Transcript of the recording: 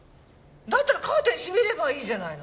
だったらカーテン閉めればいいじゃないの。